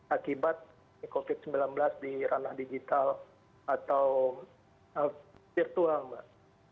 akibat covid sembilan belas di ranah digital atau virtual mbak